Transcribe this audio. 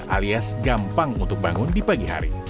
alias gampang untuk bangun di pagi hari